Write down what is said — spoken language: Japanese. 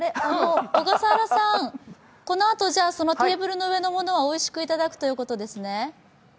小笠原さん、このあとテーブルの上のものはおいしくいただくということですね？